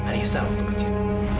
arissa waktu kecil